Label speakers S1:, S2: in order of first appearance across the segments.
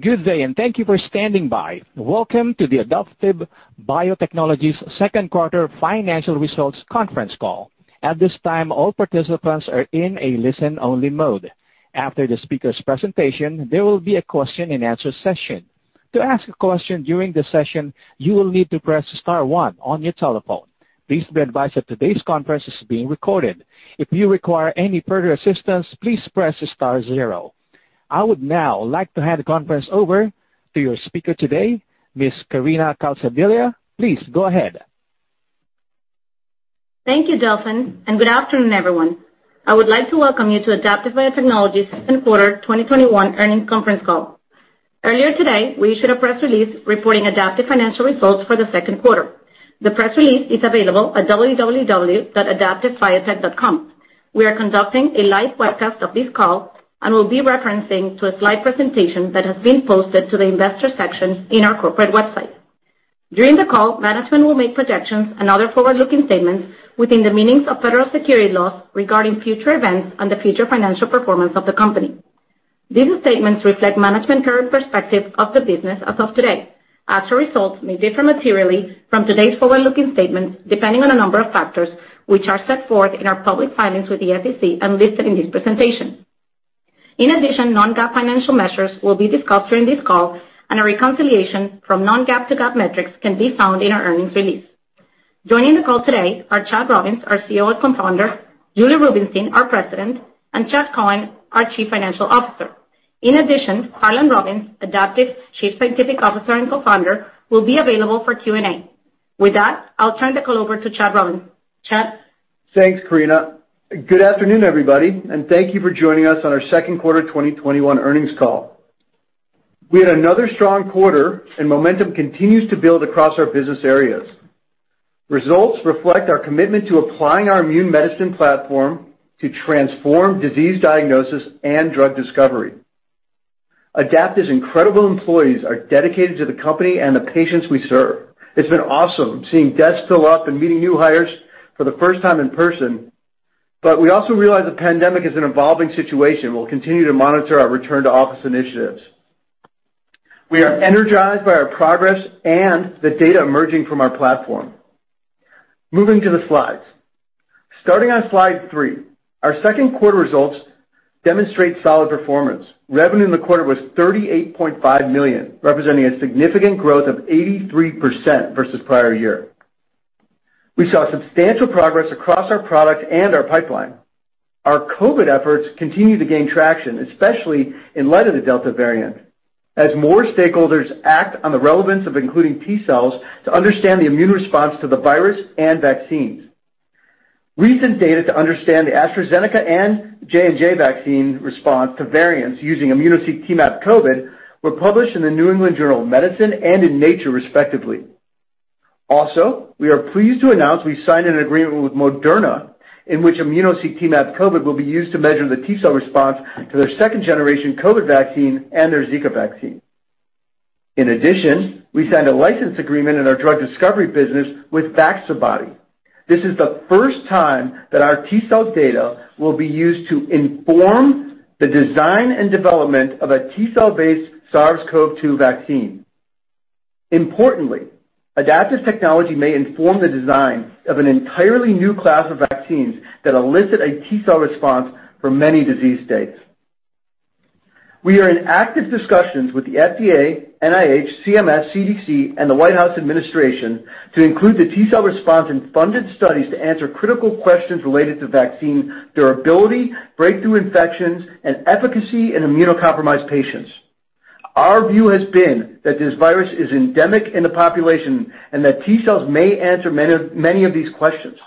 S1: Good day, and thank you for standing by. Welcome to the Adaptive Biotechnologies second quarter financial results conference call. At this time, all participants are in a listen-only mode. After the speaker's presentation, there will be a question and answer session. To ask a question during the session, you will need to press star one on your telephone. Please be advised that today's conference is being recorded. If you require any further assistance, please press star zero. I would now like to hand the conference over to your speaker today, Ms. Karina Calzadilla. Please go ahead.
S2: Thank you, Delfin, and good afternoon, everyone. I would like to welcome you to Adaptive Biotechnologies second quarter 2021 earnings conference call. Earlier today, we issued a press release reporting Adaptive financial results for the second quarter. The press release is available at www.adaptivebiotech.com. We are conducting a live webcast of this call and will be referencing to a slide presentation that has been posted to the Investors section in our corporate website. During the call, management will make projections and other forward-looking statements within the meanings of federal securities laws regarding future events and the future financial performance of the company. These statements reflect management current perspective of the business as of today. Actual results may differ materially from today's forward-looking statements depending on a number of factors, which are set forth in our public filings with the SEC and listed in this presentation. In addition, non-GAAP financial measures will be discussed during this call, and a reconciliation from non-GAAP to GAAP metrics can be found in our earnings release. Joining the call today are Chad Robins, our CEO and Co-founder, Julie Rubinstein, our President, and Chad Cohen, our Chief Financial Officer. In addition, Harlan Robins, Adaptive's Chief Scientific Officer and Co-founder, will be available for Q&A. With that, I'll turn the call over to Chad Robins. Chad?
S3: Thanks, Karina. Good afternoon, everybody, and thank you for joining us on our second quarter 2021 earnings call. We had another strong quarter. Momentum continues to build across our business areas. Results reflect our commitment to applying our immune medicine platform to transform disease diagnosis and drug discovery. Adaptive's incredible employees are dedicated to the company and the patients we serve. It's been awesome seeing desks fill up and meeting new hires for the first time in person. We also realize the pandemic is an evolving situation. We'll continue to monitor our return-to-office initiatives. We are energized by our progress and the data emerging from our platform. Moving to the slides. Starting on slide three, our second quarter results demonstrate solid performance. Revenue in the quarter was $38.5 million, representing a significant growth of 83% versus prior year. We saw substantial progress across our product and our pipeline. Our COVID efforts continue to gain traction, especially in light of the Delta variant, as more stakeholders act on the relevance of including T-cells to understand the immune response to the virus and vaccines. Recent data to understand the AstraZeneca and J&J vaccine response to variants using immunoSEQ T-MAP COVID were published in The New England Journal of Medicine and in Nature, respectively. We are pleased to announce we signed an agreement with Moderna, in which immunoSEQ T-MAP COVID will be used to measure the T-cell response to their second-generation COVID vaccine and their Zika vaccine. We signed a license agreement in our drug discovery business with Vaccibody. This is the first time that our T-cell data will be used to inform the design and development of a T-cell based SARS-CoV-2 vaccine. Importantly, Adaptive's technology may inform the design of an entirely new class of vaccines that elicit a T-cell response for many disease states. We are in active discussions with the FDA, NIH, CMS, CDC, and the White House administration to include the T-cell response in funded studies to answer critical questions related to vaccine durability, breakthrough infections, and efficacy in immunocompromised patients. Our view has been that this virus is endemic in the population and that T-cells may answer many of these questions.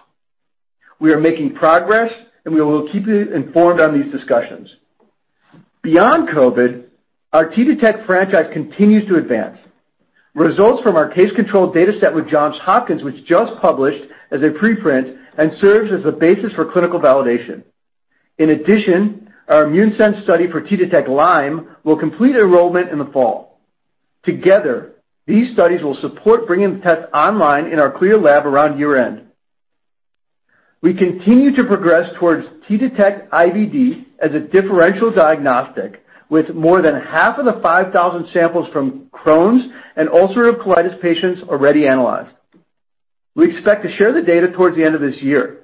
S3: We are making progress, and we will keep you informed on these discussions. Beyond COVID, our T-Detect franchise continues to advance. Results from our case-controlled data set with Johns Hopkins was just published as a preprint and serves as the basis for clinical validation. In addition, our ImmuneSense study for T-Detect Lyme will complete enrollment in the fall. Together, these studies will support bringing the test online in our CLIA lab around year-end. We continue to progress towards T-Detect IBD as a differential diagnostic with more than half of the 5,000 samples from Crohn's and ulcerative colitis patients already analyzed. We expect to share the data towards the end of this year.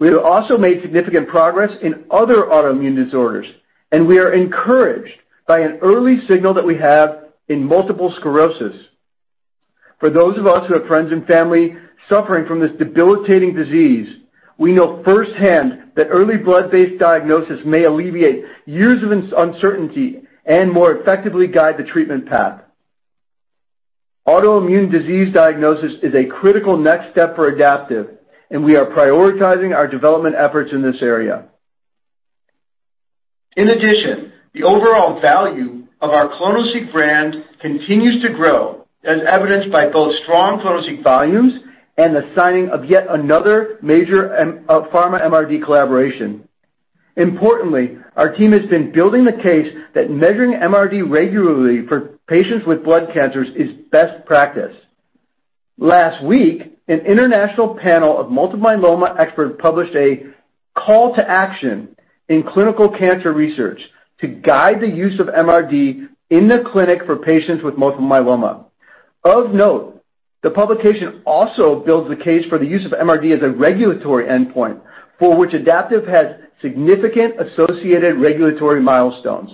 S3: We have also made significant progress in other autoimmune disorders, and we are encouraged by an early signal that we have in multiple sclerosis. For those of us who have friends and family suffering from this debilitating disease, we know firsthand that early blood-based diagnosis may alleviate years of uncertainty and more effectively guide the treatment path. Autoimmune disease diagnosis is a critical next step for Adaptive, and we are prioritizing our development efforts in this area. In addition, the overall value of our clonoSEQ brand continues to grow, as evidenced by both strong clonoSEQ volumes and the signing of yet another major pharma MRD collaboration. Importantly, our team has been building the case that measuring MRD regularly for patients with blood cancers is best practice. Last week, an international panel of multiple myeloma experts published a call to action in Clinical Cancer Research to guide the use of MRD in the clinic for patients with multiple myeloma. Of note, the publication also builds the case for the use of MRD as a regulatory endpoint, for which Adaptive has significant associated regulatory milestones.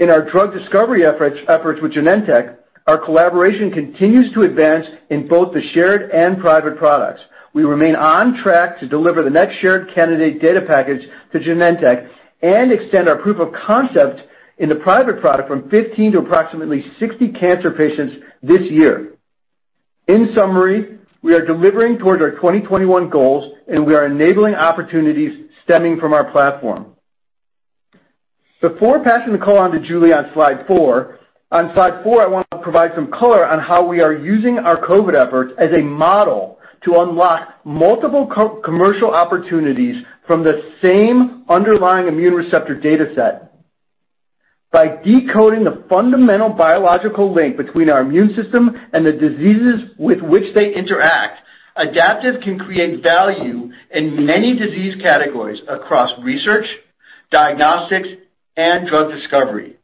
S3: In our drug discovery efforts with Genentech, our collaboration continues to advance in both the shared and private products. We remain on track to deliver the next shared candidate data package to Genentech and extend our proof of concept in the private product from 15 to approximately 60 cancer patients this year. In summary, we are delivering towards our 2021 goals and we are enabling opportunities stemming from our platform. Before passing the call on to Julie on slide four4, I want to provide some color on how we are using our COVID efforts as a model to unlock multiple commercial opportunities from the same underlying immune receptor data set. By decoding the fundamental biological link between our immune system and the diseases with which they interact, Adaptive can create value in many disease categories across research, diagnostics, and drug discovery.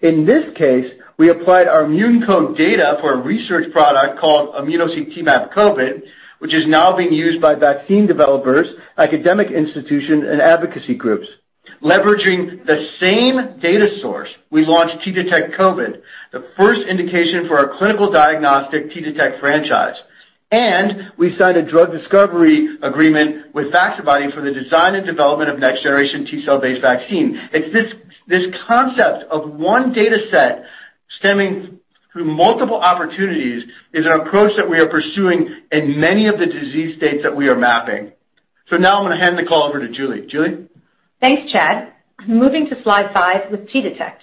S3: In this case, we applied our ImmuneCODE data for a research product called immunoSEQ T-MAP COVID, which is now being used by vaccine developers, academic institutions, and advocacy groups. Leveraging the same data source, we launched T-Detect COVID, the first indication for our clinical diagnostic T-Detect franchise, and we signed a drug discovery agreement with Vaccibody for the design and development of next generation T-cell-based vaccine. It's this concept of one data set stemming through multiple opportunities is an approach that we are pursuing in many of the disease states that we are mapping. Now I'm going to hand the call over to Julie. Julie?
S4: Thanks, Chad. Moving to slide five with T-Detect.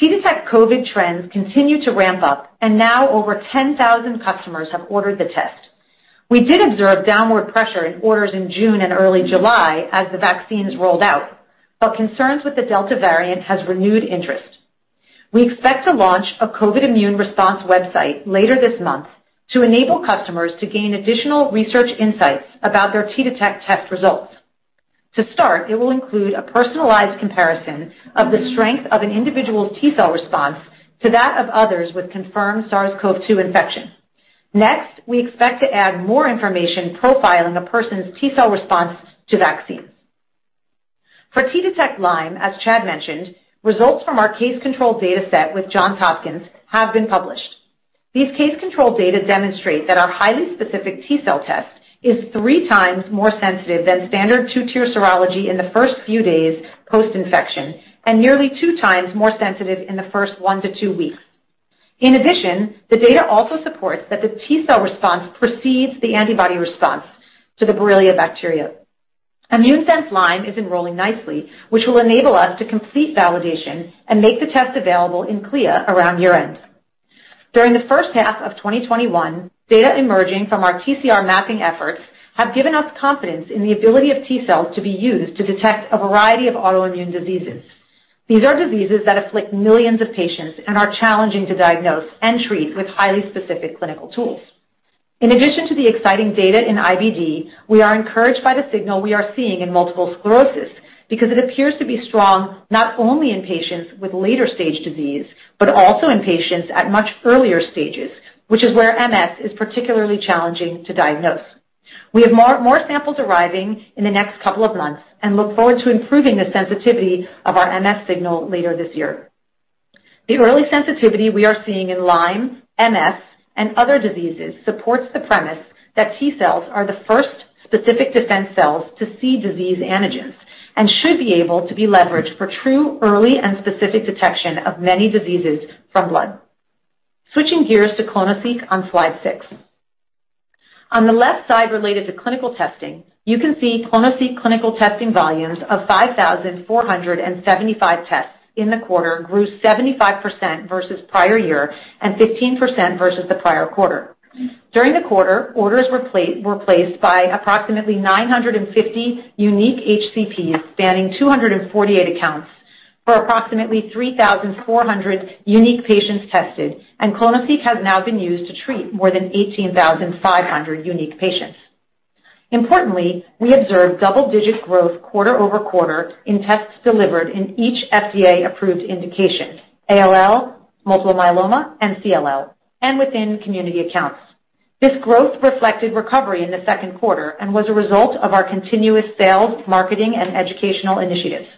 S4: T-Detect COVID trends continue to ramp up. Now over 10,000 customers have ordered the test. We did observe downward pressure in orders in June and early July as the vaccines rolled out. Concerns with the Delta variant has renewed interest. We expect to launch a COVID immune response website later this month to enable customers to gain additional research insights about their T-Detect test results. To start, it will include a personalized comparison of the strength of an individual's T-cell response to that of others with confirmed SARS-CoV-2 infection. Next, we expect to add more information profiling a person's T-cell response to vaccines. For T-Detect Lyme, as Chad mentioned, results from our case-controlled data set with Johns Hopkins have been published. These case-controlled data demonstrate that our highly specific T-cell test is three times more sensitive than standard two-tier serology in the first few days post-infection, and nearly two times more sensitive in the first one to two weeks. In addition, the data also supports that the T-cell response precedes the antibody response to the Borrelia bacteria. ImmuneSense Lyme is enrolling nicely, which will enable us to complete validation and make the test available in CLIA around year-end. During the first half of 2021, data emerging from our TCR mapping efforts have given us confidence in the ability of T cells to be used to detect a variety of autoimmune diseases. These are diseases that afflict millions of patients and are challenging to diagnose and treat with highly specific clinical tools. In addition to the exciting data in IBD, we are encouraged by the signal we are seeing in multiple sclerosis, because it appears to be strong not only in patients with later stage disease, but also in patients at much earlier stages, which is where MS is particularly challenging to diagnose. We have more samples arriving in the next couple of months and look forward to improving the sensitivity of our MS signal later this year. The early sensitivity we are seeing in Lyme, MS, and other diseases supports the premise that T cells are the first specific defense cells to see disease antigens, and should be able to be leveraged for true early and specific detection of many diseases from blood. Switching gears to clonoSEQ on slide six. On the left side related to clinical testing, you can see clonoSEQ clinical testing volumes of 5,475 tests in the quarter grew 75% versus prior year and 15% versus the prior quarter. During the quarter, orders were placed by approximately 950 unique HCPs spanning 248 accounts for approximately 3,400 unique patients tested, and clonoSEQ has now been used to treat more than 18,500 unique patients. Importantly, we observed double-digit growth quarter-over-quarter in tests delivered in each FDA-approved indication, ALL, multiple myeloma, and CLL, and within community accounts. This growth reflected recovery in the second quarter and was a result of our continuous sales, marketing, and educational initiatives.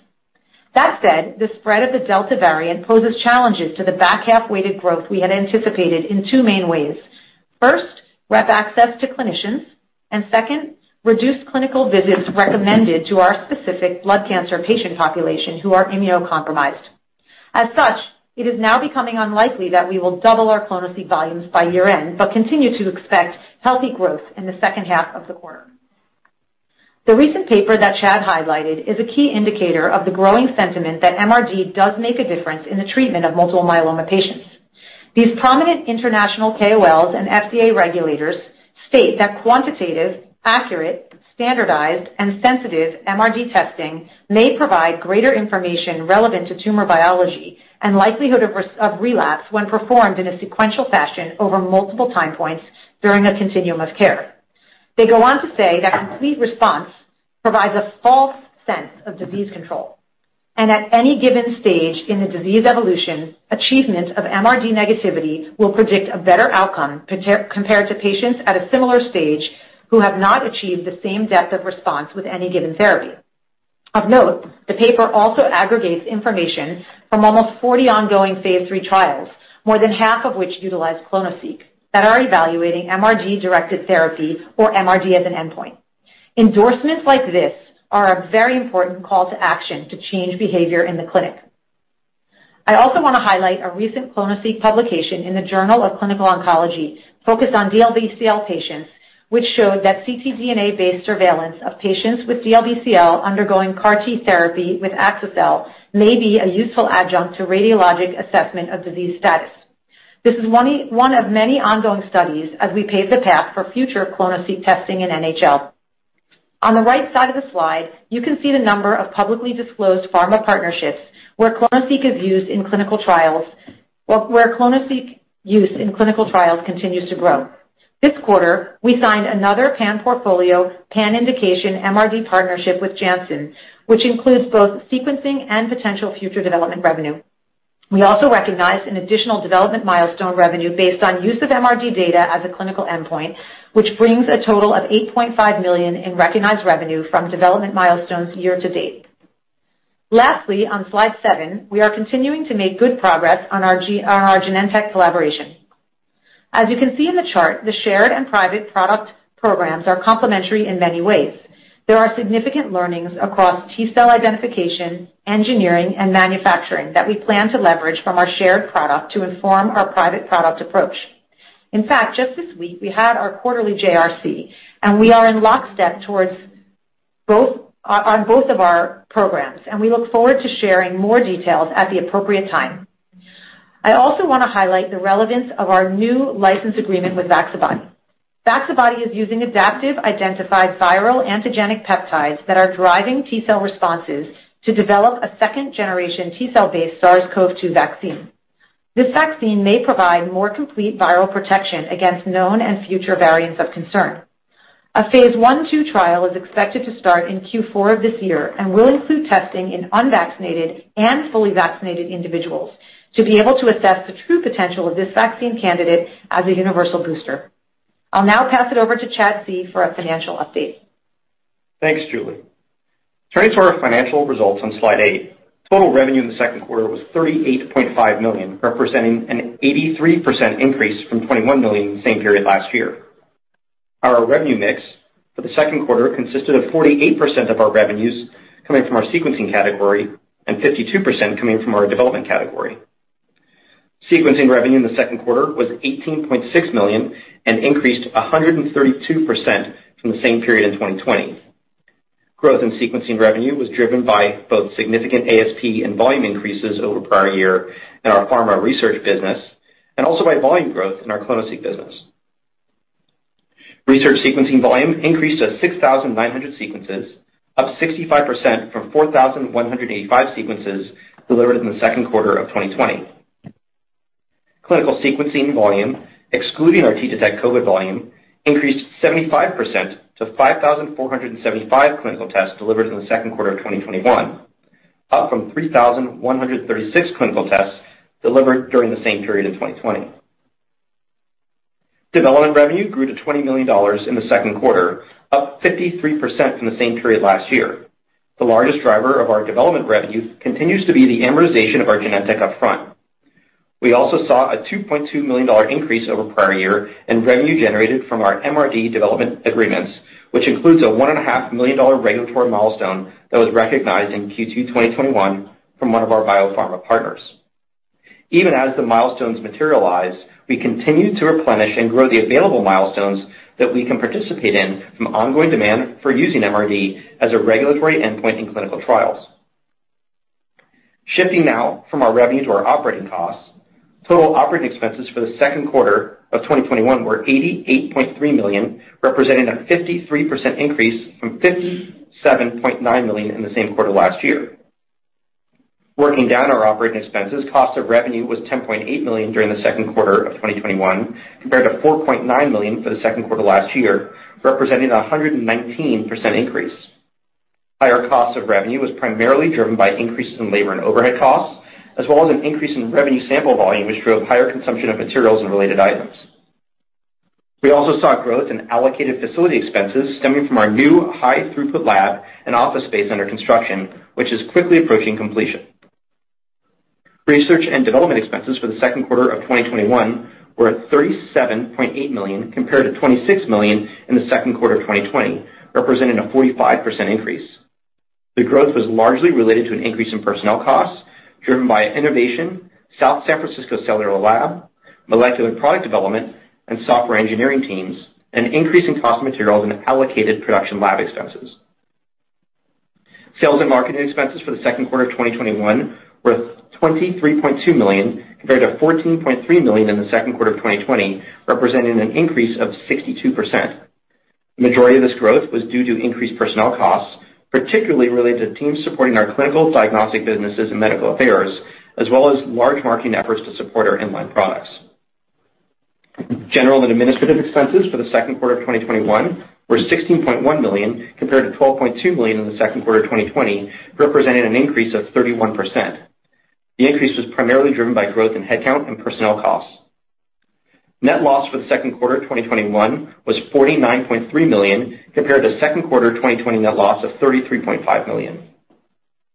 S4: That said, the spread of the Delta variant poses challenges to the back half-weighted growth we had anticipated in two main ways. First, rep access to clinicians, and second, reduced clinical visits recommended to our specific blood cancer patient population who are immunocompromised. As such, it is now becoming unlikely that we will double our clonoSEQ volumes by year-end, but continue to expect healthy growth in the second half of the quarter. The recent paper that Chad highlighted is a key indicator of the growing sentiment that MRD does make a difference in the treatment of multiple myeloma patients. These prominent international KOLs and FDA regulators state that quantitative, accurate, standardized, and sensitive MRD testing may provide greater information relevant to tumor biology and likelihood of relapse when performed in a sequential fashion over multiple time points during a continuum of care. They go on to say that complete response provides a false sense of disease control, and at any given stage in the disease evolution, achievement of MRD negativity will predict a better outcome compared to patients at a similar stage who have not achieved the same depth of response with any given therapy. Of note, the paper also aggregates information from almost 40 ongoing phase III trials, more than half of which utilize clonoSEQ, that are evaluating MRD-directed therapy or MRD as an endpoint. Endorsements like this are a very important call to action to change behavior in the clinic. I also want to highlight a recent clonoSEQ publication in the Journal of Clinical Oncology focused on DLBCL patients, which showed that ctDNA-based surveillance of patients with DLBCL undergoing CAR T therapy with axicabtagene may be a useful adjunct to radiologic assessment of disease status. This is one of many ongoing studies as we pave the path for future clonoSEQ testing in NHL. On the right side of the slide, you can see the number of publicly disclosed pharma partnerships where clonoSEQ use in clinical trials continues to grow. This quarter, we signed another pan-portfolio, pan-indication MRD partnership with Janssen, which includes both sequencing and potential future development revenue. We also recognized an additional development milestone revenue based on use of MRD data as a clinical endpoint, which brings a total of $8.5 million in recognized revenue from development milestones year to date. Lastly, on slide seven, we are continuing to make good progress on our Genentech collaboration. As you can see in the chart, the shared and private product programs are complementary in many ways. There are significant learnings across T-cell identification, engineering, and manufacturing that we plan to leverage from our shared product to inform our private product approach. In fact, just this week, we had our quarterly JRC, and we are in lockstep on both of our programs. We look forward to sharing more details at the appropriate time. I also want to highlight the relevance of our new license agreement with Vaccibody. Vaccibody is using Adaptive-identified viral antigenic peptides that are driving T-cell responses to develop a second-generation T-cell based SARS-CoV-2 vaccine. This vaccine may provide more complete viral protection against known and future variants of concern. A phase I/II trial is expected to start in Q4 of this year and will include testing in unvaccinated and fully vaccinated individuals to be able to assess the true potential of this vaccine candidate as a universal booster. I'll now pass it over to Chad Cohen for a financial update.
S5: Thanks, Julie. Turning to our financial results on slide eight. Total revenue in the second quarter was $38.5 million, representing an 83% increase from $21 million in the same period last year. Our revenue mix for the second quarter consisted of 48% of our revenues coming from our sequencing category and 52% coming from our development category. Sequencing revenue in the second quarter was $18.6 million and increased 132% from the same period in 2020. Growth in sequencing revenue was driven by both significant ASP and volume increases over prior year in our pharma research business and also by volume growth in our clonoSEQ business. Research sequencing volume increased to 6,900 sequences, up 65% from 4,185 sequences delivered in the second quarter of 2020. clinical sequencing volume, excluding our T-Detect COVID volume, increased 75% to 5,475 clinical tests delivered in the second quarter of 2021, up from 3,136 clinical tests delivered during the same period in 2020. Development revenue grew to $20 million in the second quarter, up 53% from the same period last year. The largest driver of our development revenue continues to be the amortization of our Genentech upfront. We also saw a $2.2 million increase over prior year in revenue generated from our MRD development agreements, which includes a $1.5 million regulatory milestone that was recognized in Q2 2021 from one of our biopharma partners. Even as the milestones materialize, we continue to replenish and grow the available milestones that we can participate in from ongoing demand for using MRD as a regulatory endpoint in clinical trials. Shifting now from our revenue to our operating costs. Total operating expenses for the second quarter of 2021 were $88.3 million, representing a 53% increase from $57.9 million in the same quarter last year. Working down our operating expenses, cost of revenue was $10.8 million during the second quarter of 2021, compared to $4.9 million for the second quarter last year, representing 119% increase. Higher cost of revenue was primarily driven by increases in labor and overhead costs, as well as an increase in revenue sample volume, which drove higher consumption of materials and related items. We also saw growth in allocated facility expenses stemming from our new high throughput lab and office space under construction, which is quickly approaching completion. Research and development expenses for the second quarter of 2021 were at $37.8 million, compared to $26 million in the second quarter of 2020, representing a 45% increase. The growth was largely related to an increase in personnel costs driven by innovation, South San Francisco cellular lab, molecular product development, and software engineering teams, an increase in cost of materials and allocated production lab expenses. Sales and marketing expenses for the second quarter of 2021 were $23.2 million compared to $14.3 million in the second quarter of 2020, representing an increase of 62%. The majority of this growth was due to increased personnel costs, particularly related to teams supporting our clinical diagnostic businesses and medical affairs, as well as large marketing efforts to support our in-line products. General and administrative expenses for the second quarter of 2021 were $16.1 million compared to $12.2 million in the second quarter of 2020, representing an increase of 31%. The increase was primarily driven by growth in headcount and personnel costs. Net loss for the second quarter 2021 was $49.3 million, compared to the second quarter 2020 net loss of $33.5 million.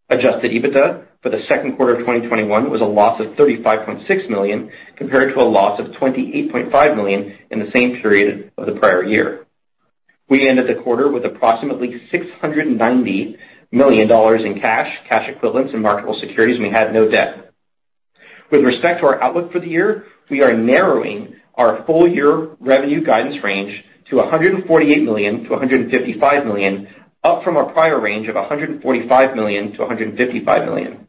S5: Adjusted EBITDA for the second quarter of 2021 was a loss of $35.6 million, compared to a loss of $28.5 million in the same period of the prior year. We ended the quarter with approximately $690 million in cash equivalents, and marketable securities, and we had no debt. With respect to our outlook for the year, we are narrowing our full-year revenue guidance range to $148 million-$155 million, up from our prior range of $145 million-$155 million.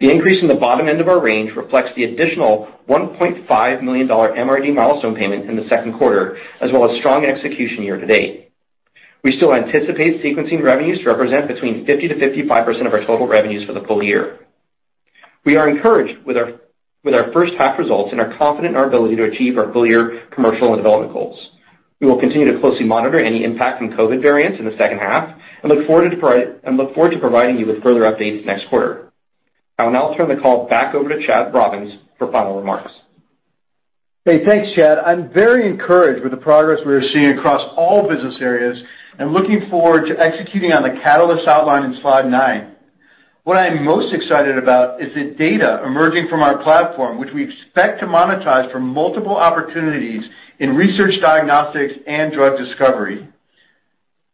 S5: The increase in the bottom end of our range reflects the additional $1.5 million MRD milestone payment in the second quarter, as well as strong execution year to date. We still anticipate sequencing revenues to represent between 50%-55% of our total revenues for the full year. We are encouraged with our first half results and are confident in our ability to achieve our full-year commercial and development goals. We will continue to closely monitor any impact from COVID variants in the second half and look forward to providing you with further updates next quarter. I will now turn the call back over to Chad Robins for final remarks.
S3: Hey, thanks, Chad. I'm very encouraged with the progress we are seeing across all business areas and looking forward to executing on the catalyst outlined in slide nine. What I am most excited about is the data emerging from our platform, which we expect to monetize for multiple opportunities in research diagnostics and drug discovery.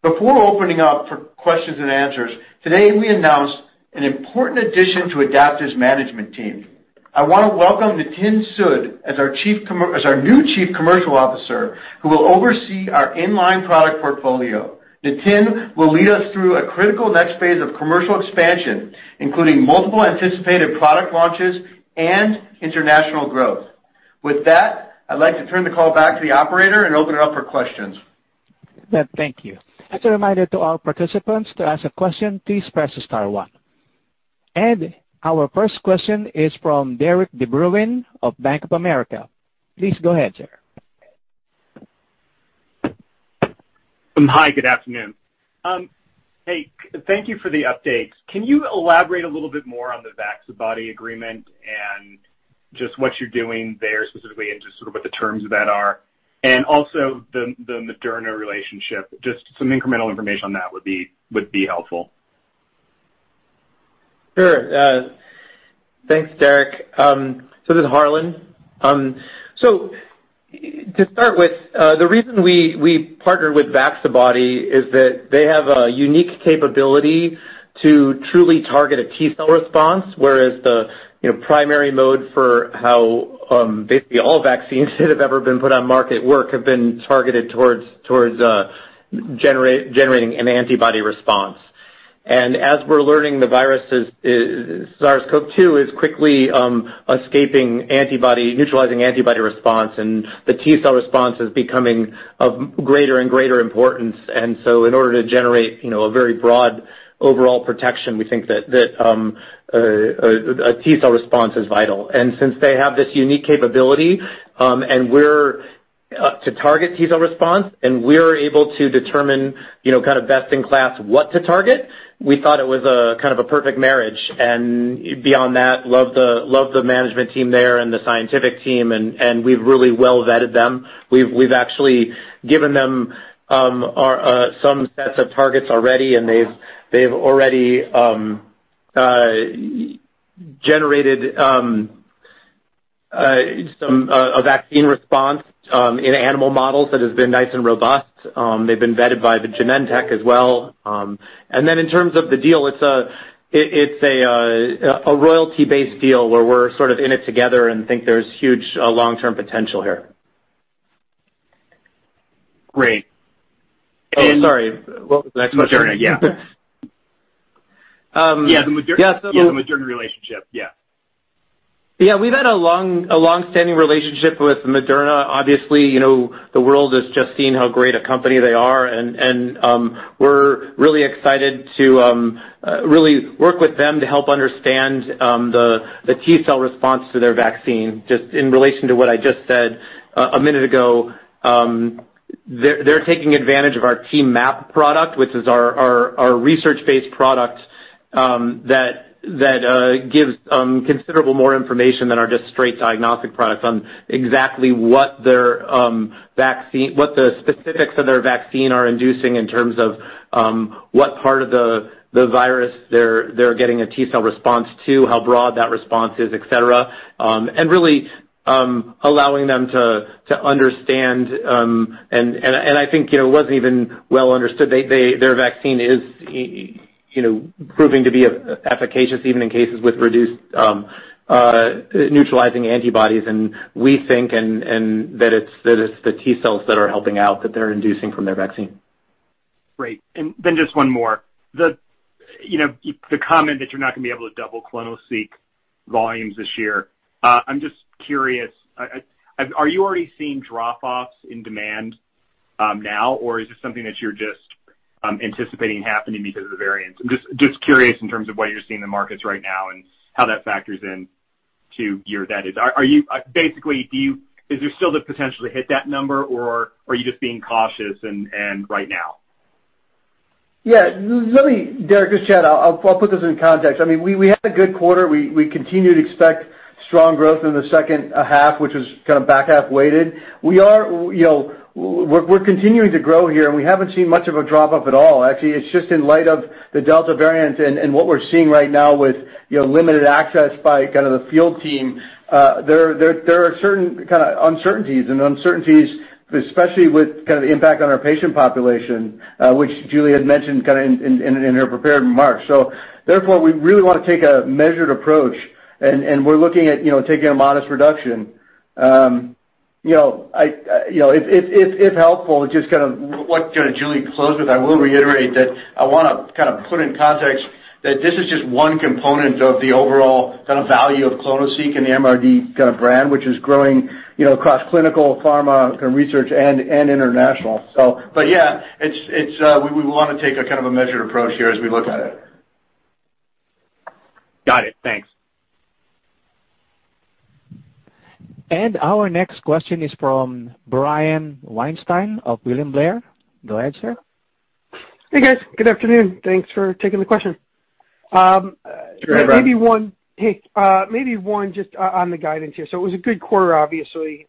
S3: Before opening up for questions and answers, today, we announced an important addition to Adaptive's management team. I want to welcome Nitin Sood as our new Chief Commercial Officer, who will oversee our in-line product portfolio. Nitin will lead us through a critical next phase of commercial expansion, including multiple anticipated product launches and international growth. With that, I'd like to turn the call back to the operator and open it up for questions.
S1: Thank you. As a reminder to all participants, to ask a question, please press star one. Our first question is from Derik de Bruin of Bank of America. Please go ahead, sir.
S6: Hi, good afternoon. Hey, thank you for the updates. Can you elaborate a little bit more on the Vaccibody agreement and just what you're doing there specifically, and just sort of what the terms of that are? Also the Moderna relationship, just some incremental information on that would be helpful.
S7: Sure. Thanks, Derik. This is Harlan. To start with, the reason we partnered with Vaccibody is that they have a unique capability to truly target a T-cell response, whereas the primary mode for how basically all vaccines that have ever been put on market work have been targeted towards generating an antibody response. As we're learning, the SARS-CoV-2 is quickly escaping neutralizing antibody response, and the T-cell response is becoming of greater and greater importance. In order to generate a very broad overall protection, we think that a T-cell response is vital. Since they have this unique capability to target T-cell response, and we're able to determine best in class what to target, we thought it was a perfect marriage. Beyond that, love the management team there and the scientific team, and we've really well vetted them. We've actually given them some sets of targets already. They've already generated a vaccine response in animal models that has been nice and robust. They've been vetted by Genentech as well. Then in terms of the deal, it's a royalty-based deal where we're sort of in it together and think there's huge long-term potential here.
S6: Great.
S7: Oh, sorry. What was the next one?
S6: Moderna, yeah.
S7: Yeah, the Moderna-
S6: Yeah, the Moderna relationship. Yeah.
S7: Yeah. We've had a longstanding relationship with Moderna. Obviously, the world has just seen how great a company they are, and we're really excited to really work with them to help understand the T-cell response to their vaccine. Just in relation to what I just said a minute ago, they're taking advantage of our T-MAP product, which is our research-based product that gives considerable more information than our just straight diagnostic products on exactly what the specifics of their vaccine are inducing in terms of what part of the virus they're getting a T-cell response to, how broad that response is, et cetera. Really allowing them to understand, and I think it wasn't even well understood. Their vaccine is proving to be efficacious even in cases with reduced neutralizing antibodies, and we think that it's the T cells that are helping out, that they're inducing from their vaccine.
S6: Great. Just one more. The comment that you're not going to be able to double clonoSEQ volumes this year, I'm just curious, are you already seeing drop-offs in demand now, or is this something that you're just anticipating happening because of the variants? I'm just curious in terms of what you're seeing in the markets right now and how that factors into your guidance. Basically, is there still the potential to hit that number, or are you just being cautious right now?
S3: Yeah. Let me, Derik, just chat. I'll put this in context. We had a good quarter. We continue to expect strong growth in the second half, which was back half weighted. We're continuing to grow here, and we haven't seen much of a drop-off at all. Actually, it's just in light of the Delta variant and what we're seeing right now with limited access by the field team. There are certain uncertainties, especially with the impact on our patient population, which Julie Rubinstein had mentioned in her prepared remarks. Therefore, we really want to take a measured approach, and we're looking at taking a modest reduction. If helpful, just what Julie Rubinstein closed with, I will reiterate that I want to put in context that this is just one component of the overall value of clonoSEQ and the MRD brand, which is growing across clinical, pharma, research, and international. Yeah, we want to take a measured approach here as we look at it.
S6: Got it. Thanks.
S1: Our next question is from Brian Weinstein of William Blair. Go ahead, sir.
S8: Hey, guys. Good afternoon. Thanks for taking the question.
S3: Sure, Brian.
S8: Maybe one just on the guidance here. It was a good quarter, obviously.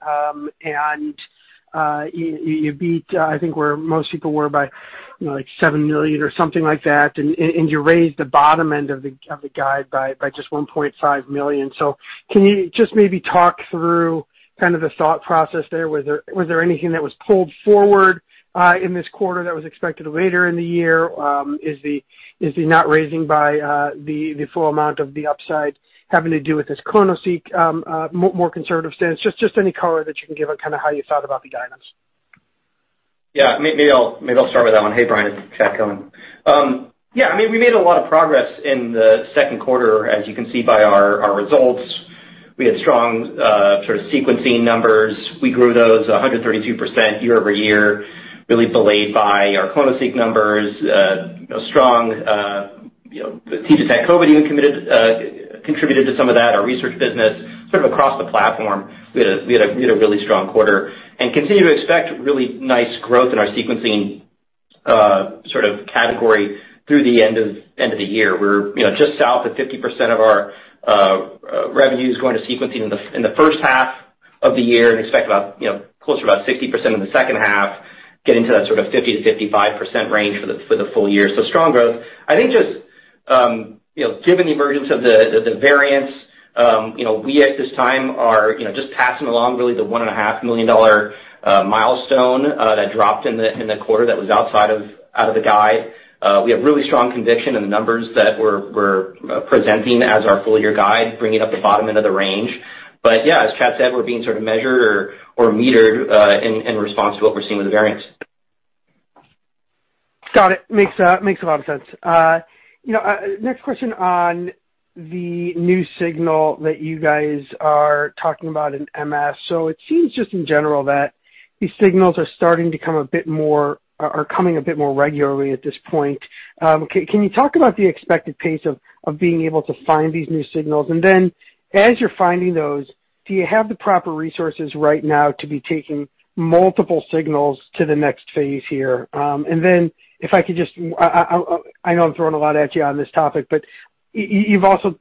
S8: You beat, I think, where most people were by $7 million or something like that, and you raised the bottom end of the guide by just $1.5 million. Can you just maybe talk through the thought process there? Was there anything that was pulled forward in this quarter that was expected later in the year? Is the not raising by the full amount of the upside having to do with this clonoSEQ more conservative stance? Just any color that you can give on how you thought about the guidance.
S5: Yeah. Maybe I'll start with that one. Hey, Brian, it's Chad Cohen. Yeah, we made a lot of progress in the second quarter, as you can see by our results. We had strong sort of sequencing numbers. We grew those 132% year-over-year, really buoyed by our clonoSEQ numbers. A strong T-Detect COVID even contributed to some of that. Our research business, sort of across the platform, we had a really strong quarter and continue to expect really nice growth in our sequencing sort of category through the end of the year. We're just south of 50% of our revenues going to sequencing in the first half of the year and expect closer to about 60% in the second half, get into that sort of 50%-55% range for the full year. Strong growth. I think just given the emergence of the variants, we at this time are just passing along really the $1.5 million milestone that dropped in the quarter that was outside of the guide. We have really strong conviction in the numbers that we're presenting as our full year guide, bringing up the bottom end of the range. Yeah, as Chad said, we're being sort of measured or metered in response to what we're seeing with the variants.
S8: Got it. Makes a lot of sense. Next question on the new signal that you guys are talking about in MS. It seems just in general that these signals are coming a bit more regularly at this point. Can you talk about the expected pace of being able to find these new signals? As you're finding those, do you have the proper resources right now to be taking multiple signals to the next phase here? If I could just, I know I'm throwing a lot at you on this topic, but you've also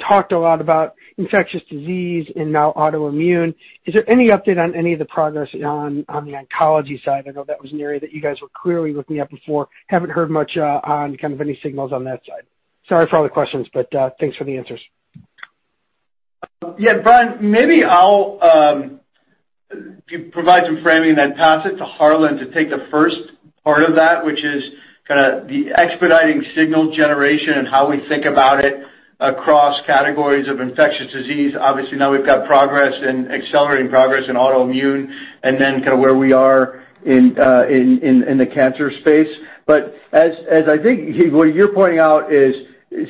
S8: talked a lot about infectious disease and now autoimmune. Is there any update on any of the progress on the oncology side? I know that was an area that you guys were clearly looking at before. Haven't heard much on any signals on that side. Sorry for all the questions, but thanks for the answers.
S3: Yeah. Brian, maybe I'll provide some framing and then pass it to Harlan to take the first part of that, which is the expediting signal generation and how we think about it across categories of infectious disease. Obviously, now we've got progress and accelerating progress in autoimmune, and then where we are in the cancer space. As I think what you're pointing out is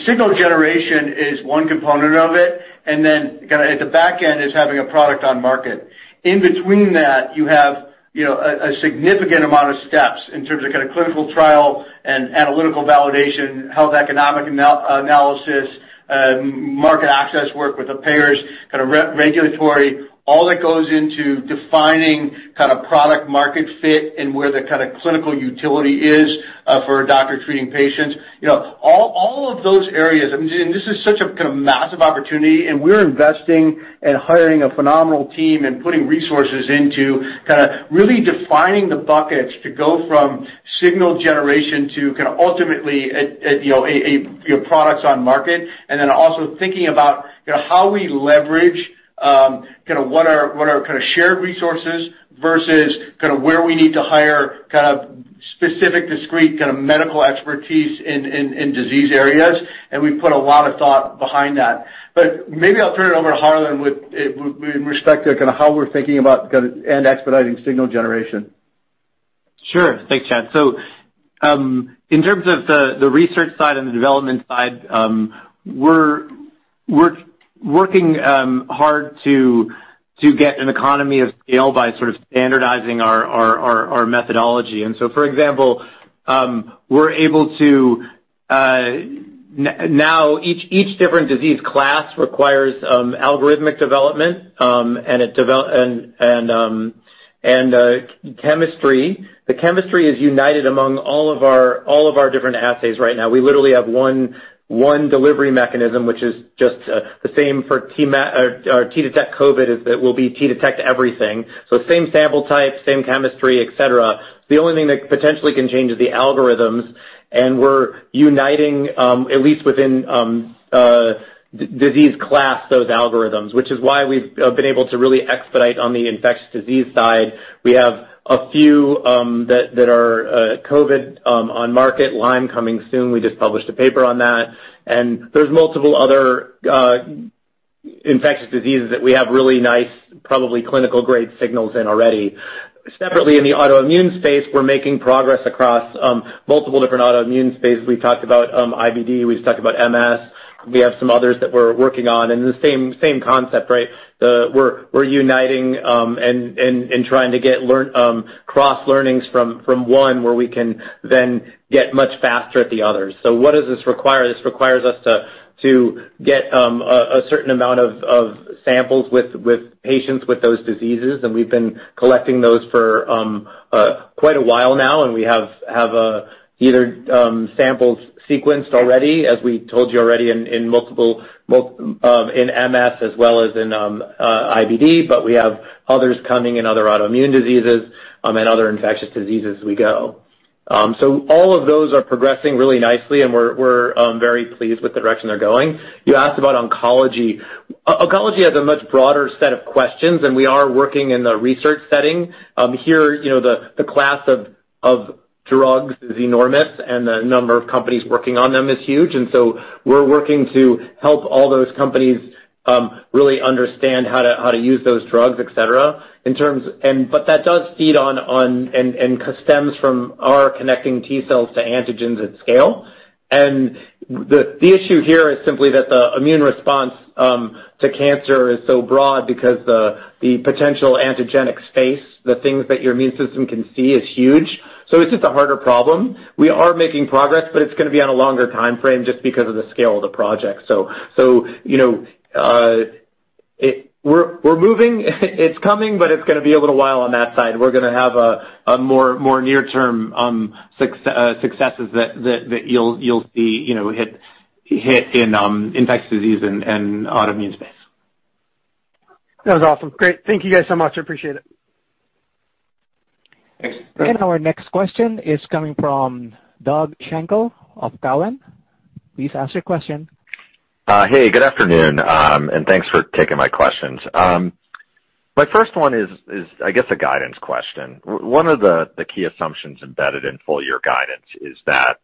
S3: signal generation is one component of it, and then at the back end is having a product on market. In between that, you have a significant amount of steps in terms of clinical trial and analytical validation, health economic analysis, market access work with the payers, regulatory, all that goes into defining product market fit and where the clinical utility is for a doctor treating patients. All of those areas, this is such a massive opportunity, we're investing and hiring a phenomenal team and putting resources into really defining the buckets to go from signal generation to ultimately a product on market, also thinking about how we leverage what are shared resources versus where we need to hire specific, discrete medical expertise in disease areas. We've put a lot of thought behind that. Maybe I'll turn it over to Harlan with respect to how we're thinking about and expediting signal generation.
S7: Sure. Thanks, Chad. In terms of the research side and the development side, we're working hard to get an economy of scale by sort of standardizing our methodology. For example, we're able to now each different disease class requires algorithmic development, and chemistry. The chemistry is united among all of our different assays right now. We literally have one delivery mechanism, which is just the same for T-Detect COVID, as it will be T-Detect everything. Same sample type, same chemistry, et cetera. The only thing that potentially can change is the algorithms, and we're uniting, at least within disease class, those algorithms, which is why we've been able to really expedite on the infectious disease side. We have a few that are COVID on market, Lyme coming soon. We just published a paper on that. There's multiple other infectious diseases that we have really nice, probably clinical grade signals in already. Separately, in the autoimmune space, we're making progress across multiple different autoimmune space. We've talked about IBD, we've talked about MS. We have some others that we're working on in the same concept, right? We're uniting and trying to get cross-learnings from one where we can then get much faster at the others. What does this require? This requires us to get a certain amount of samples with patients with those diseases, and we've been collecting those for quite a while now, and we have either samples sequenced already, as we told you already in MS as well as in IBD, but we have others coming in other autoimmune diseases and other infectious diseases as we go. All of those are progressing really nicely, and we're very pleased with the direction they're going. You asked about oncology. Oncology has a much broader set of questions, and we are working in the research setting. Here, the class of drugs is enormous and the number of companies working on them is huge. We're working to help all those companies really understand how to use those drugs, et cetera. That does feed on and stems from our connecting T cells to antigens at scale. The issue here is simply that the immune response to cancer is so broad because the potential antigenic space, the things that your immune system can see, is huge. It's just a harder problem. We are making progress, but it's going to be on a longer timeframe just because of the scale of the project. We're moving, it's coming, but it's going to be a little while on that side. We're going to have more near-term successes that you'll see hit in infectious disease and autoimmune space.
S8: That was awesome. Great. Thank you guys so much. I appreciate it.
S7: Thanks.
S1: Our next question is coming from Doug Schenkel of Cowen. Please ask your question.
S9: Hey, good afternoon, and thanks for taking my questions. My first one is, I guess, a guidance question. One of the key assumptions embedded in full year guidance is that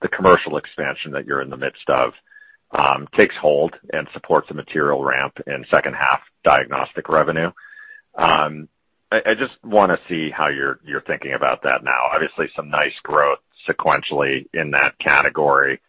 S9: the commercial expansion that you're in the midst of takes hold and supports a material ramp in second half diagnostic revenue. I just want to see how you're thinking about that now. Obviously, some nice growth sequentially in that category.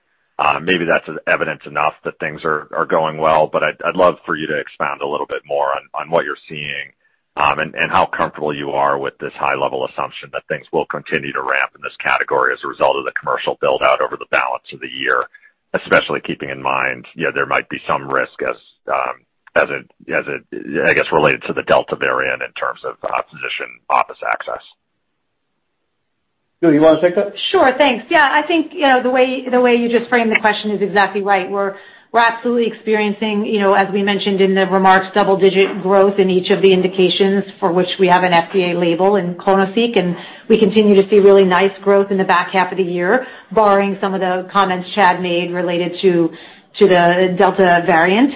S9: Maybe that's an evidence enough that things are going well, but I'd love for you to expound a little bit more on what you're seeing and how comfortable you are with this high level assumption that things will continue to ramp in this category as a result of the commercial build-out over the balance of the year, especially keeping in mind there might be some risk as it, I guess, related to the Delta variant in terms of physician office access.
S3: Julie, you want to take that?
S4: Sure. Thanks. Yeah, I think the way you just framed the question is exactly right. We're absolutely experiencing, as we mentioned in the remarks, double-digit growth in each of the indications for which we have an FDA label in clonoSEQ, and we continue to see really nice growth in the back half of the year, barring some of the comments Chad made related to the Delta variant.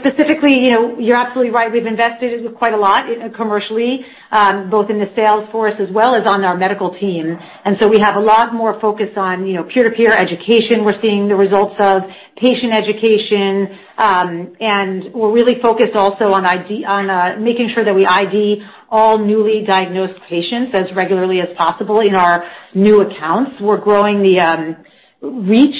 S4: Specifically, you're absolutely right. We've invested quite a lot commercially, both in the sales force as well as on our medical team. We have a lot more focus on peer-to-peer education we're seeing the results of, patient education, and we're really focused also on making sure that we ID all newly diagnosed patients as regularly as possible in our new accounts. We're growing the reach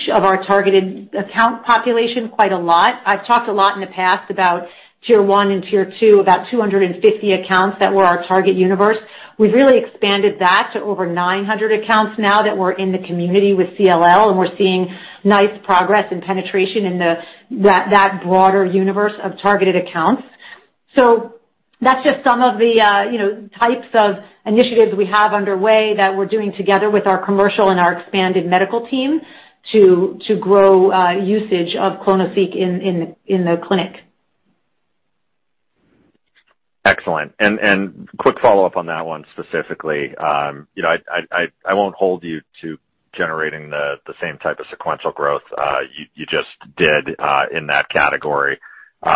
S4: of our targeted account population quite a lot. I've talked a lot in the past about tier one and tier two, about 250 accounts that were our target universe. We've really expanded that to over 900 accounts now that we're in the community with CLL, and we're seeing nice progress and penetration in that broader universe of targeted accounts. That's just some of the types of initiatives we have underway that we're doing together with our commercial and our expanded medical team to grow usage of clonoSEQ in the clinic.
S9: Excellent. Quick follow-up on that one specifically. I won't hold you to generating the same type of sequential growth you just did in that category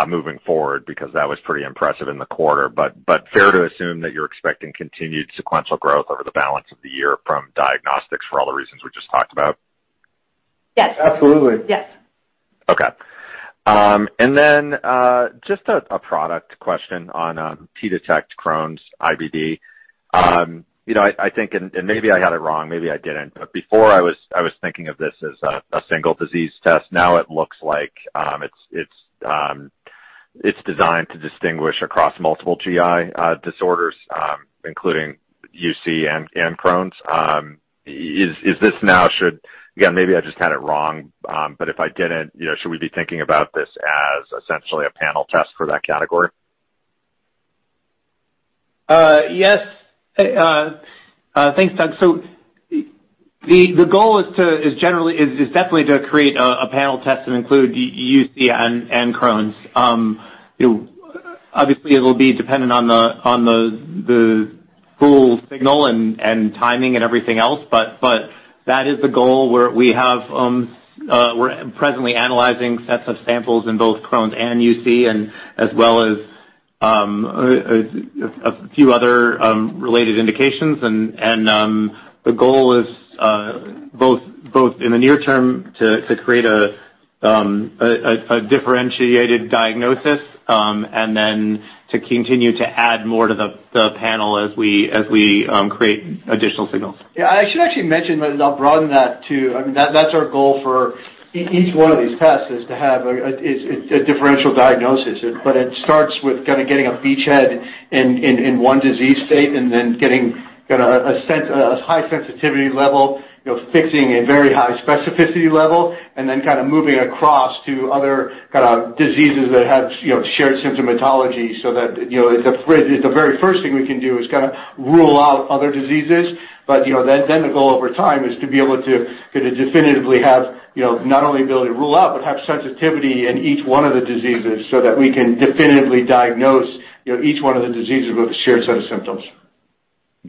S9: moving forward because that was pretty impressive in the quarter, but fair to assume that you're expecting continued sequential growth over the balance of the year from diagnostics for all the reasons we just talked about?
S7: Yes. Absolutely.
S3: Yes.
S9: Okay. Then just a product question on T-Detect Crohn's IBD. I think, maybe I had it wrong, maybe I didn't, before I was thinking of this as a single disease test. Now it looks like it's designed to distinguish across multiple GI disorders, including UC and Crohn's. Again, maybe I just had it wrong, if I didn't, should we be thinking about this as essentially a panel test for that category?
S7: Yes. Thanks, Doug. The goal is definitely to create a panel test to include UC and Crohn's. Obviously, it'll be dependent on the full signal and timing and everything else, but that is the goal, where we're presently analyzing sets of samples in both Crohn's and UC, as well as a few other related indications. The goal is, both in the near term, to create a differentiated diagnosis, and then to continue to add more to the panel as we create additional signals.
S3: Yeah, I should actually mention, I'll broaden that too. That's our goal for each one of these tests is to have a differential diagnosis. It starts with getting a beachhead in one disease state, and then getting a high sensitivity level, fixing a very high specificity level, and then moving across to other diseases that have shared symptomatology so that the very first thing we can do is rule out other diseases. The goal over time is to be able to definitively have, not only be able to rule out, but have sensitivity in each one of the diseases so that we can definitively diagnose each one of the diseases with a shared set of symptoms.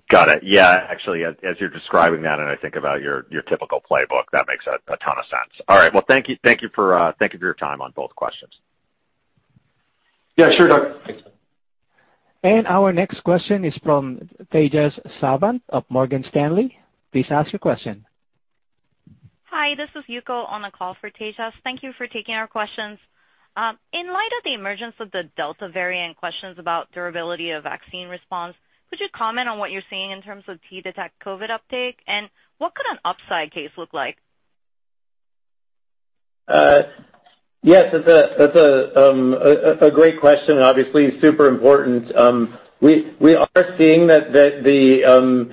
S9: Got it. Yeah, actually, as you're describing that, and I think about your typical playbook, that makes a ton of sense. All right. Well, thank you for your time on both questions.
S3: Yeah, sure, Doug.
S7: Thanks, Doug.
S1: Our next question is from Tejas Savant of Morgan Stanley. Please ask your question.
S10: Hi, this is Yuko on the call for Tejas. Thank you for taking our questions. In light of the emergence of the Delta variant questions about durability of vaccine response, could you comment on what you're seeing in terms of T-Detect COVID uptake, and what could an upside case look like?
S7: Yes, that's a great question, and obviously super important. We are seeing that the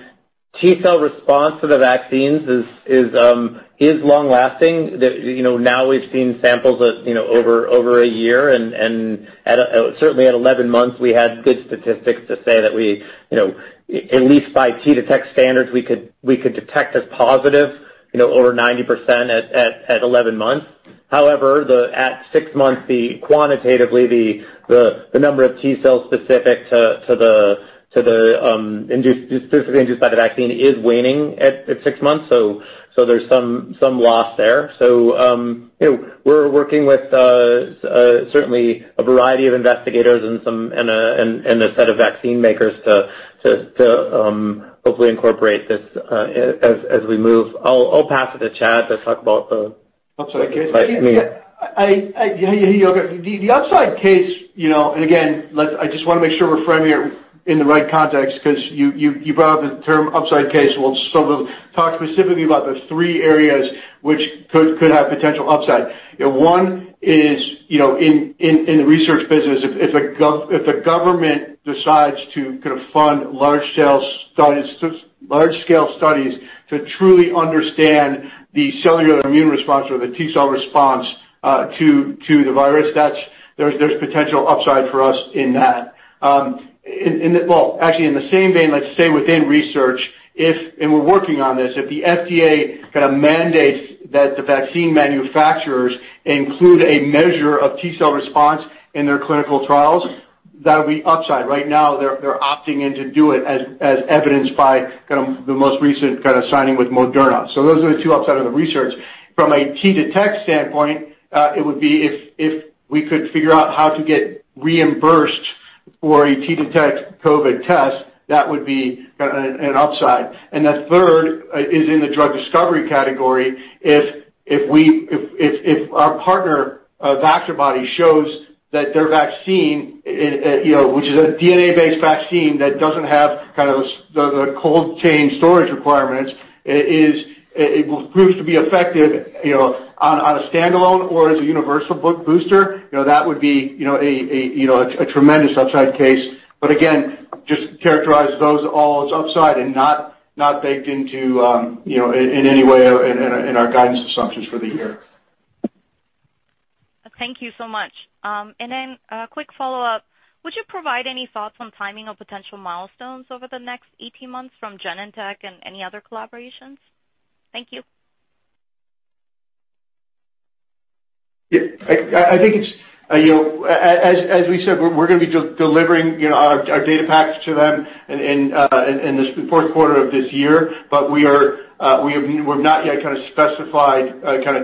S7: T-cell response to the vaccines is long-lasting. Now we've seen samples over a year, and certainly at 11 months, we had good statistics to say that we, at least by T-Detect standards, we could detect as positive over 90% at 11 months. However, at six months, quantitatively, the number of T-cells specific to the specifically induced by the vaccine is waning at six months. There's some loss there. We're working with certainly a variety of investigators and a set of vaccine makers to hopefully incorporate this as we move. I'll pass it to Chad to talk about the.
S3: Upside case?
S7: upside case.
S3: The upside case, again, I just want to make sure we're framing it in the right context because you brought up the term upside case. We'll talk specifically about the three areas which could have potential upside. One is, in the research business, if a government decides to fund large-scale studies to truly understand the cellular immune response or the T-cell response to the virus, there's potential upside for us in that. Well, actually, in the same vein, let's say within research, we're working on this, if the FDA mandates that the vaccine manufacturers include a measure of T-cell response in their clinical trials, that'll be upside. Right now, they're opting in to do it, as evidenced by the most recent signing with Moderna. Those are the two upside of the research. From a T-Detect standpoint, it would be if we could figure out how to get reimbursed for a T-Detect COVID test, that would be an upside. The third is in the drug discovery category. If our partner, Vaccibody, shows that their vaccine, which is a DNA-based vaccine that doesn't have the cold chain storage requirements, proves to be effective on a standalone or as a universal booster, that would be a tremendous upside case. Again, just characterize those all as upside and not baked into, in any way, in our guidance assumptions for the year.
S10: Thank you so much. A quick follow-up, would you provide any thoughts on timing of potential milestones over the next 18 months from Genentech and any other collaborations? Thank you.
S3: Yeah. As we said, we're going to be delivering our data package to them in this fourth quarter of this year. We've not yet specified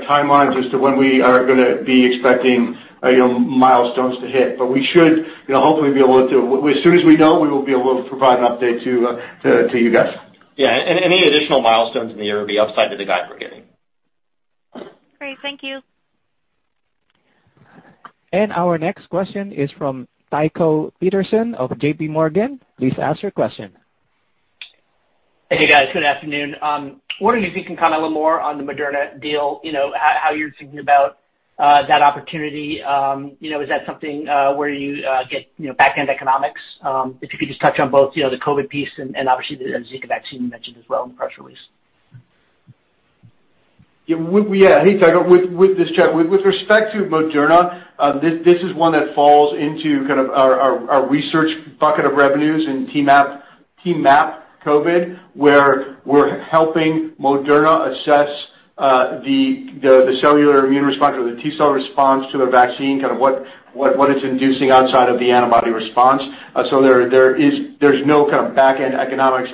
S3: timelines as to when we are going to be expecting milestones to hit. We should hopefully be able to, as soon as we know, we will be able to provide an update to you guys.
S7: Yeah. Any additional milestones in the year would be upside to the guide we're giving.
S10: Great. Thank you.
S1: Our next question is from Tycho Peterson of JPMorgan. Please ask your question.
S11: Hey, guys. Good afternoon. I was wondering if you can comment a little more on the Moderna deal, how you're thinking about that opportunity? Is that something where you get backend economics? If you could just touch on both, the COVID piece and obviously the Zika vaccine you mentioned as well in the press release.
S3: Yeah. Hey, Tycho. With respect to Moderna, this is one that falls into kind of our research bucket of revenues in T-MAP COVID, where we're helping Moderna assess the cellular immune response or the T-cell response to the vaccine, kind of what it's inducing outside of the antibody response. There's no kind of backend economics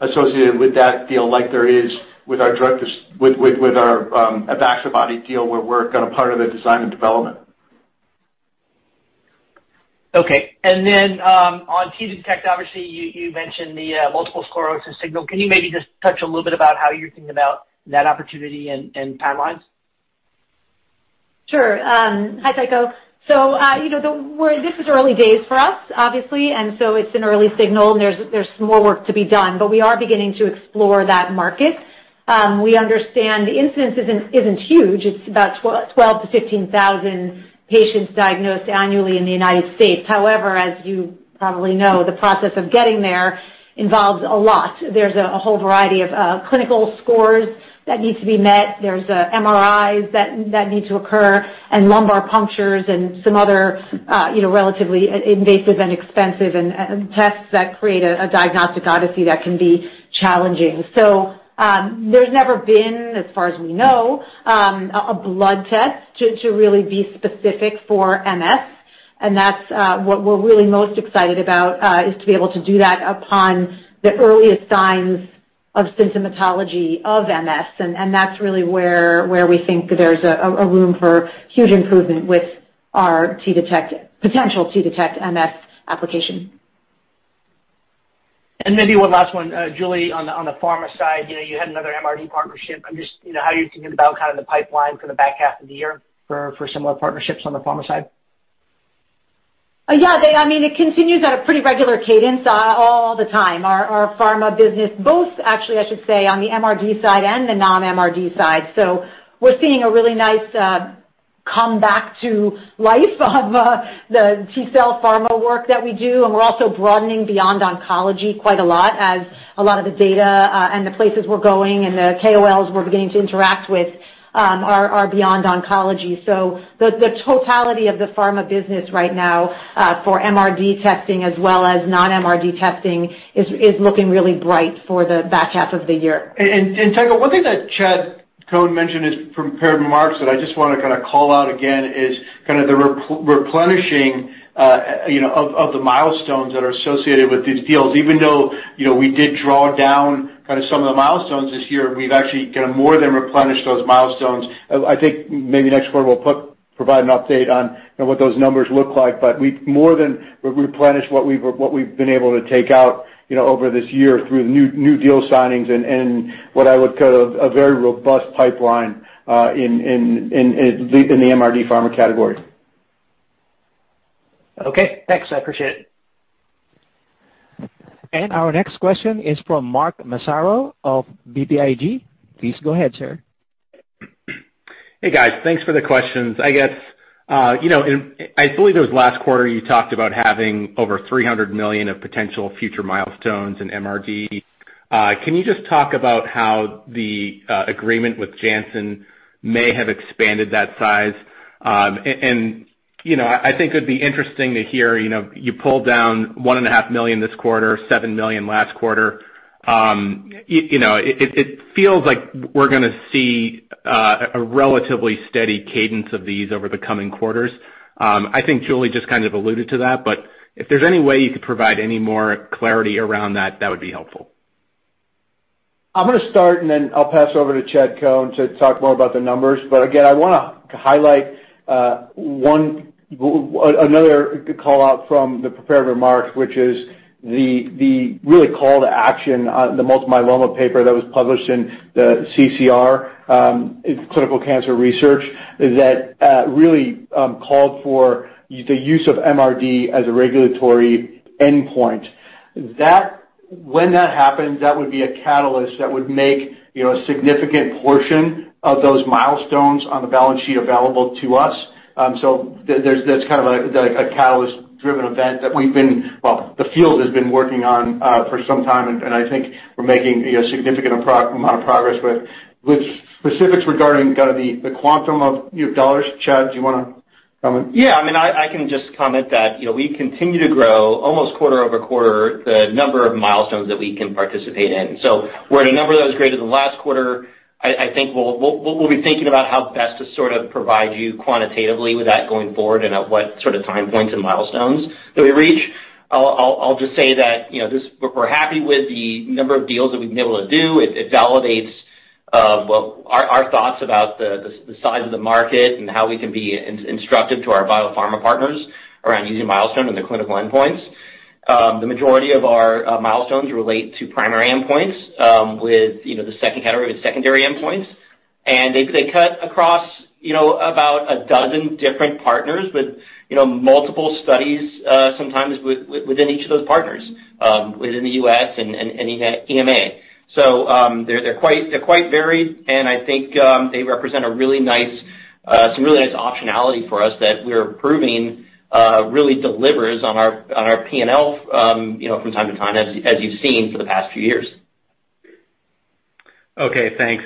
S3: associated with that deal like there is with our Vaccibody deal, where we're kind of part of the design and development.
S11: Okay. On T-Detect, obviously, you mentioned the multiple sclerosis signal. Can you maybe just touch a little bit about how you're thinking about that opportunity and timelines?
S4: Sure. Hi, Tycho. This is early days for us, obviously, and so it's an early signal, and there's more work to be done. We are beginning to explore that market. We understand the incidence isn't huge. It's about 12,000-15,000 patients diagnosed annually in the U.S. However, as you probably know, the process of getting there involves a lot. There's a whole variety of clinical scores that need to be met. There's MRIs that need to occur and lumbar punctures and some other relatively invasive and expensive tests that create a diagnostic odyssey that can be challenging. There's never been, as far as we know, a blood test to really be specific for MS, and that's what we're really most excited about, is to be able to do that upon the earliest signs of symptomatology of MS, and that's really where we think there's a room for huge improvement with our potential T-Detect MS application.
S11: Maybe one last one. Julie, on the pharma side, you had another MRD partnership. How are you thinking about kind of the pipeline for the back half of the year for similar partnerships on the pharma side?
S4: Yeah. It continues at a pretty regular cadence all the time. Our pharma business, both actually, I should say, on the MRD side and the non-MRD side. We're seeing a really nice comeback to life of the T-cell pharma work that we do, and we're also broadening beyond oncology quite a lot as a lot of the data and the places we're going and the KOLs we're beginning to interact with are beyond oncology. The totality of the pharma business right now, for MRD testing as well as non-MRD testing, is looking really bright for the back half of the year.
S3: Tycho, one thing that Chad Cohen mentioned is from prepared remarks that I just want to call out again is the replenishing of the milestones that are associated with these deals. Even though we did draw down some of the milestones this year, we've actually more than replenished those milestones. I think maybe next quarter, we'll provide an update on what those numbers look like, but we've more than replenished what we've been able to take out over this year through new deal signings and what I would call a very robust pipeline in the MRD pharma category.
S11: Okay, thanks. I appreciate it.
S1: Our next question is from Mark Massaro of BTIG. Please go ahead, sir.
S12: Hey, guys. Thanks for the questions. I believe it was last quarter you talked about having over $300 million of potential future milestones in MRD. Can you just talk about how the agreement with Janssen may have expanded that size? I think it'd be interesting to hear, you pulled down one and a half million this quarter, $7 million last quarter. It feels like we're going to see a relatively steady cadence of these over the coming quarters. I think Julie just kind of alluded to that, if there's any way you could provide any more clarity around that would be helpful.
S3: I'm going to start, and then I'll pass over to Chad Cohen to talk more about the numbers. Again, I want to highlight another call-out from the prepared remarks, which is the really call to action on the multiple myeloma paper that was published in the CCR, Clinical Cancer Research, that really called for the use of MRD as a regulatory endpoint. When that happens, that would be a catalyst that would make a significant portion of those milestones on the balance sheet available to us. That's kind of a catalyst-driven event that the field has been working on for some time, and I think we're making a significant amount of progress with. With specifics regarding kind of the quantum of dollars, Chad, do you want to comment?
S5: I can just comment that we continue to grow, almost quarter-over-quarter, the number of milestones that we can participate in. We're at a number that was greater than last quarter. I think we'll be thinking about how best to sort of provide you quantitatively with that going forward and at what sort of time points and milestones that we reach. I'll just say that we're happy with the number of deals that we've been able to do. It validates our thoughts about the size of the market and how we can be instructive to our biopharma partners around using milestone and the clinical endpoints. The majority of our milestones relate to primary endpoints, with the second category with secondary endpoints. They cut across about a dozen different partners with multiple studies, sometimes within each of those partners, within the U.S. and EMA. They're quite varied, and I think they represent some really nice optionality for us that we're proving really delivers on our P&L from time to time, as you've seen for the past few years.
S12: Okay, thanks.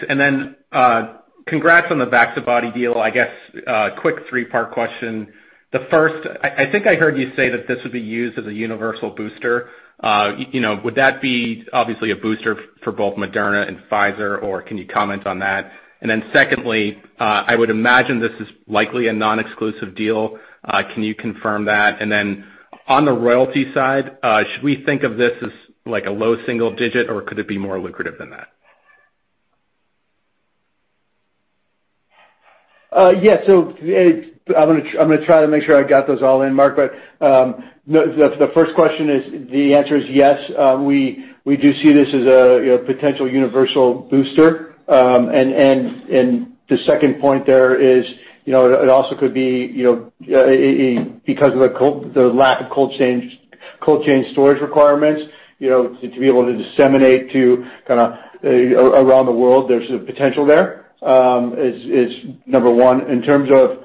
S12: Congrats on the Vaccibody deal. I guess a quick three-part question. The first, I think I heard you say that this would be used as a universal booster. Would that be obviously a booster for both Moderna and Pfizer, or can you comment on that? Secondly, I would imagine this is likely a non-exclusive deal. Can you confirm that? On the royalty side, should we think of this as like a low single digit, or could it be more lucrative than that?
S3: Yeah. I'm going to try to make sure I got those all in, Mark, the first question is the answer is yes, we do see this as a potential universal booster. The second point there is it also could be because of the lack of cold chain storage requirements to be able to disseminate to around the world, there's potential there, is number one. In terms of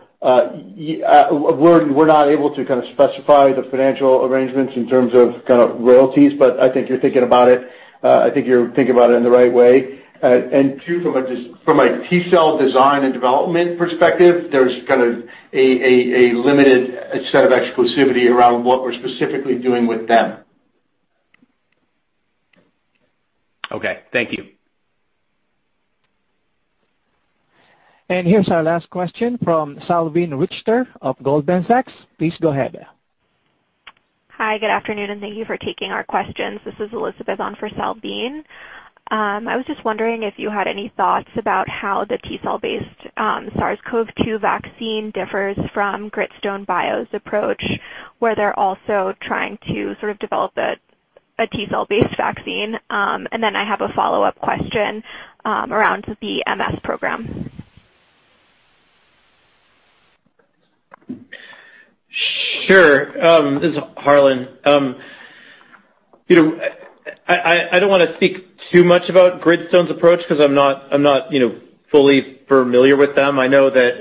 S3: we're not able to specify the financial arrangements in terms of royalties. I think you're thinking about it in the right way. Two, from a T-cell design and development perspective, there's a limited set of exclusivity around what we're specifically doing with them.
S12: Okay. Thank you.
S1: Here's our last question from Salveen Richter of Goldman Sachs. Please go ahead.
S13: Hi, good afternoon, and thank you for taking our questions. This is Elizabeth on for Salveen Richter. I was just wondering if you had any thoughts about how the T-cell based SARS-CoV-2 vaccine differs from Gritstone bio's approach, where they're also trying to sort of develop a T-cell based vaccine. I have a follow-up question around the MS program.
S7: Sure. This is Harlan. I don't want to speak too much about Gritstone bio's approach because I'm not fully familiar with them. I know that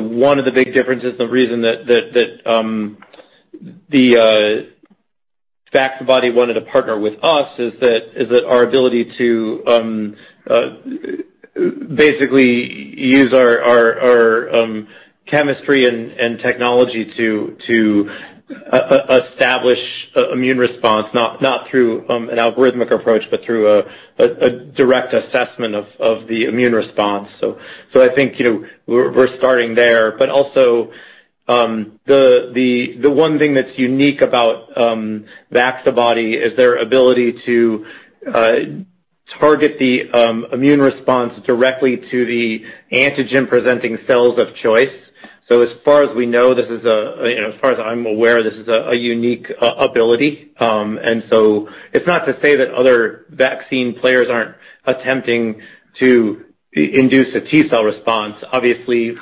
S7: one of the big differences, the reason that Vaccibody wanted to partner with us is that our ability to basically use our chemistry and technology to establish immune response, not through an algorithmic approach, but through a direct assessment of the immune response. I think we're starting there, but also the one thing that's unique about Vaccibody is their ability to target the immune response directly to the antigen-presenting cells of choice. As far as I'm aware, this is a unique ability. It's not to say that other vaccine players aren't attempting to induce a T-cell response. Obviously, as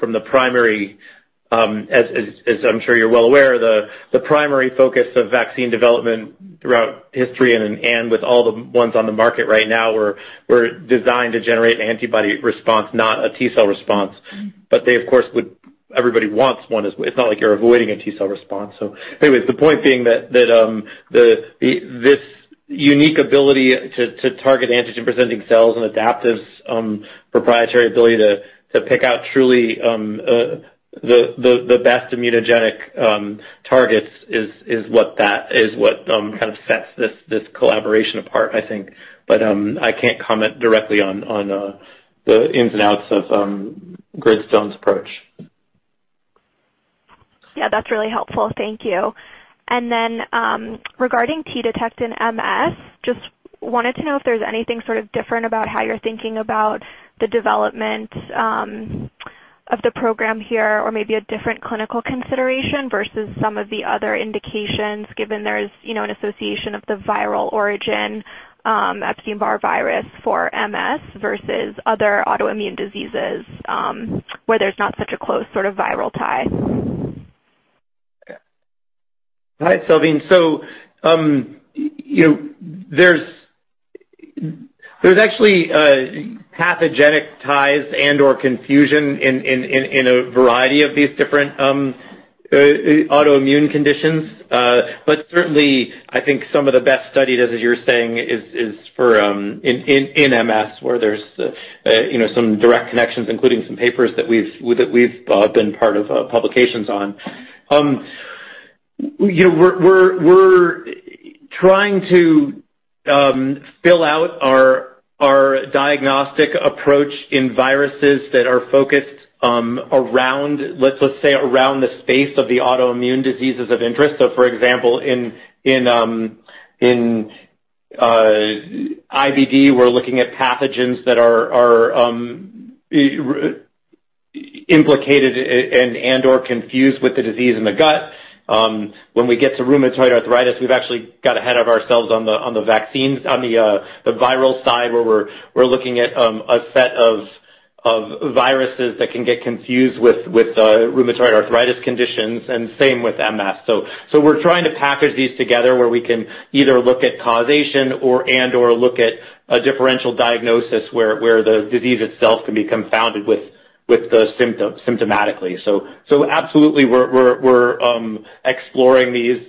S7: I'm sure you're well aware, the primary focus of vaccine development throughout history and with all the ones on the market right now were designed to generate antibody response, not a T-cell response. Everybody wants one. It's not like you're avoiding a T-cell response. Anyways, the point being that this unique ability to target antigen-presenting cells and Adaptive's proprietary ability to pick out truly the best immunogenic targets is what kind of sets this collaboration apart, I think. I can't comment directly on the ins and outs of Gritstone's approach.
S13: Yeah, that's really helpful. Thank you. Regarding T-Detect in MS, just wanted to know if there's anything sort of different about how you're thinking about the development of the program here or maybe a different clinical consideration versus some of the other indications given there's an association of the viral origin Epstein-Barr virus for MS versus other autoimmune diseases where there's not such a close sort of viral tie.
S7: Hi, Salveen. There's actually pathogenic ties and/or confusion in a variety of these different autoimmune conditions. Certainly I think some of the best studied, as you're saying, is in MS where there's some direct connections, including some papers that we've been part of publications on. We're trying to fill out our diagnostic approach in viruses that are focused let's say around the space of the autoimmune diseases of interest. For example in IBD, we're looking at pathogens that are implicated and/or confused with the disease in the gut. When we get to rheumatoid arthritis, we've actually got ahead of ourselves on the vaccines, on the viral side, where we're looking at a set of viruses that can get confused with rheumatoid arthritis conditions, and same with MS. We're trying to package these together where we can either look at causation or, and/or look at a differential diagnosis where the disease itself can be confounded with the symptomatically. Absolutely, we're exploring these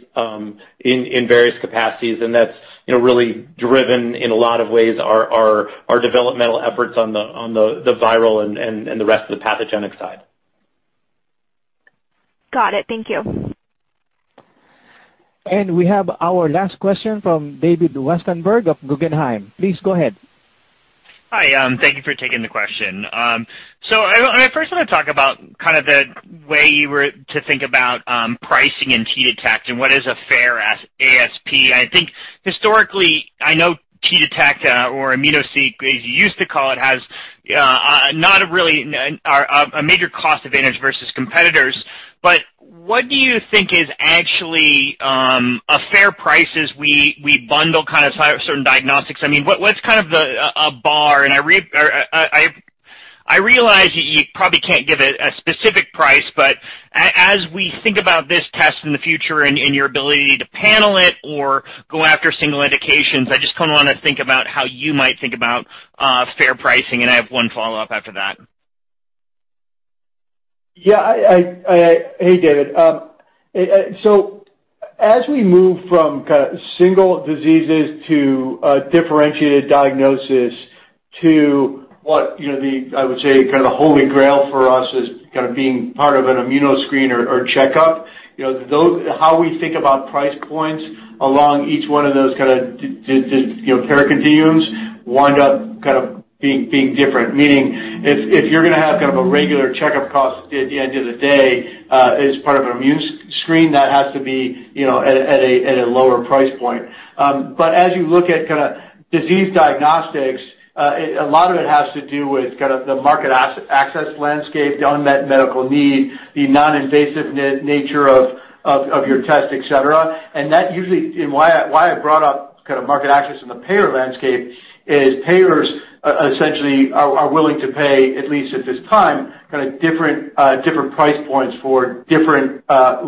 S7: in various capacities, and that's really driven, in a lot of ways, our developmental efforts on the viral and the rest of the pathogenic side.
S13: Got it. Thank you.
S1: We have our last question from David Westenberg of Guggenheim. Please go ahead.
S14: Hi. Thank you for taking the question. I first want to talk about the way you were to think about pricing and T-Detect and what is a fair ASP. I think historically, I know T-Detect, or immunoSEQ, as you used to call it, has not really a major cost advantage versus competitors. What do you think is actually a fair price as we bundle certain diagnostics? What's a bar? I realize you probably can't give a specific price, as we think about this test in the future and your ability to panel it or go after single indications, I just want to think about how you might think about fair pricing. I have one follow-up after that.
S3: Yeah. Hey, David. As we move from single diseases to differentiated diagnosis to what I would say the holy grail for us is being part of an immuno screen or checkup. How we think about price points along each one of those care continuums wind up being different, meaning if you're going to have a regular checkup cost at the end of the day as part of an immune screen, that has to be at a lower price point. As you look at disease diagnostics, a lot of it has to do with the market access landscape, the unmet medical need, the non-invasive nature of your test, et cetera. Why I brought up market access in the payer landscape is payers, essentially, are willing to pay, at least at this time, different price points for different types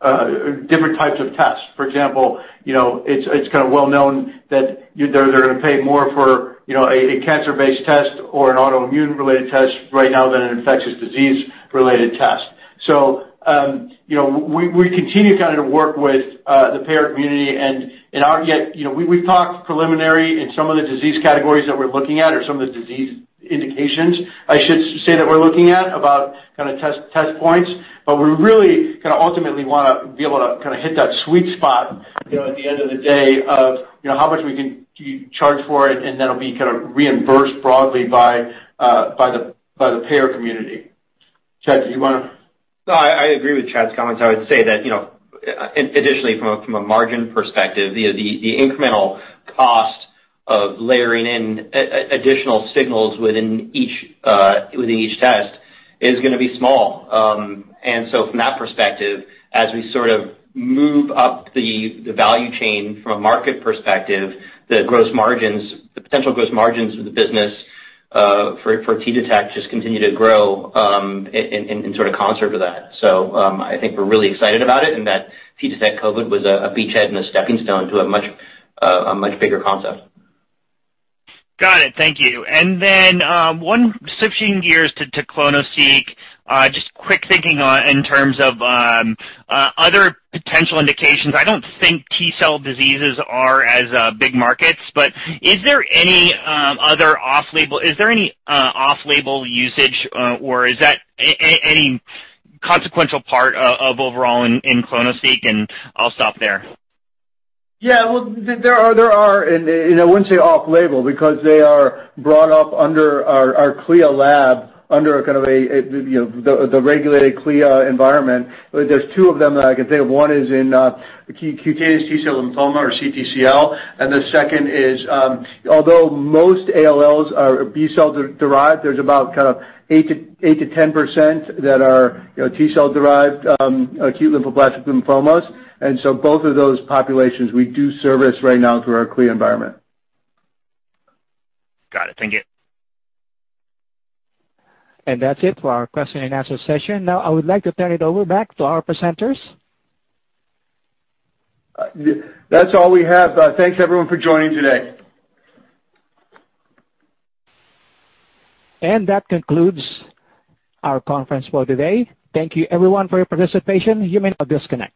S3: of tests. For example, it's well-known that they're going to pay more for a cancer-based test or an autoimmune-related test right now than an infectious disease-related test. We continue to work with the payer community, and we've talked preliminary in some of the disease categories that we're looking at or some of the disease indications, I should say, that we're looking at about test points. We really ultimately want to be able to hit that sweet spot, at the end of the day, of how much we can charge for it, and that'll be reimbursed broadly by the payer community. Chad, did you want to?
S5: No, I agree with Chad's comments. I would say that, additionally, from a margin perspective, the incremental cost of layering in additional signals within each test is going to be small. From that perspective, as we sort of move up the value chain from a market perspective, the potential gross margins of the business, for T-Detect just continue to grow in sort of concert with that. I think we're really excited about it, and that T-Detect COVID was a beachhead and a stepping stone to a much bigger concept.
S14: Got it. Thank you. Switching gears to clonoSEQ, just quick thinking in terms of other potential indications. I don't think T-cell diseases are as big markets, is there any off-label usage or is that any consequential part of overall in clonoSEQ? I'll stop there.
S3: Yeah. Well, there are, and I wouldn't say off-label because they are brought up under our CLIA lab, under the regulated CLIA environment. There's two of them that I can think of. One is in cutaneous T-cell lymphoma or CTCL, and the second is, although most ALLs are B-cell derived, there's about 8%-10% that are T-cell derived, acute lymphoblastic lymphomas. Both of those populations we do service right now through our CLIA environment.
S14: Got it. Thank you.
S1: That's it for our question and answer session. Now, I would like to turn it over back to our presenters.
S3: That's all we have. Thanks, everyone, for joining today.
S1: That concludes our conference for today. Thank you, everyone, for your participation. You may now disconnect.